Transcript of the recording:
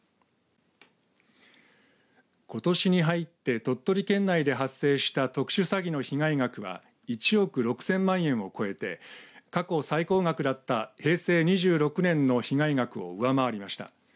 ことしに入って鳥取県内で発生した特殊詐欺の被害額は１億６０００万円を超えて過去最高額だった平成２６年の被害額を上回りました。